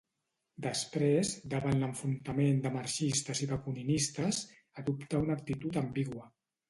Després, davant l'enfrontament de marxistes i bakuninistes, adoptà una actitud ambigua.